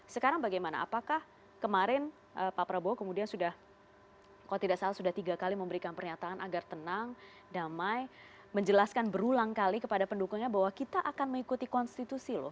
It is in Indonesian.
sekarang bagaimana apakah kemarin pak prabowo kemudian sudah kalau tidak salah sudah tiga kali memberikan pernyataan agar tenang damai menjelaskan berulang kali kepada pendukungnya bahwa kita akan mengikuti konstitusi loh